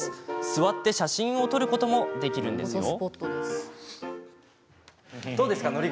座って写真を撮ることもできるんですよ。